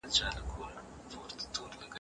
شلمه پېړۍ د ښځو د حقونو پرمختګ راوړ.